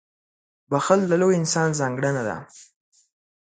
• بښل د لوی انسان ځانګړنه ده.